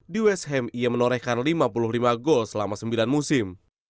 di west ham ia menorehkan lima puluh lima gol selama sembilan musim